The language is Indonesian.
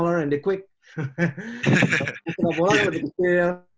pemain sepak bola sedikit kecil